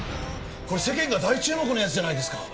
これ世間が大注目のやつじゃないですか！